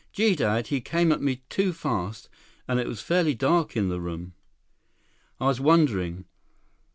"Gee, Dad. He came at me too fast. And it was fairly dark in the room." "I was wondering.